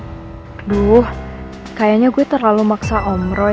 aduh kayaknya gue terlalu maksa om roy